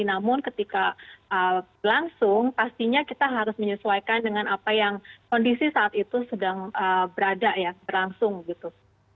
namun ketika langsung pastinya kita harus menyesuaikan dengan apa yang kondisi saat itu sedang berada ya berlangsung gitu